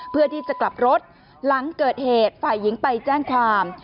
เพื่อที่จะกลับรถหลังเกิดเหตุฝ่ายหญิงไปแจ้งความ